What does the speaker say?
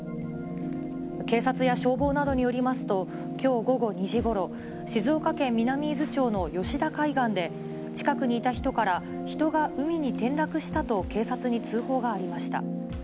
警察や消防などによりますと、きょう午後２時ごろ、静岡県南伊豆町の吉田海岸で、近くにいた人から、人が海に転落したと警察に通報がありました。